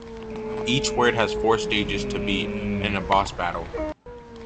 Each world has four stages to beat and a boss battle.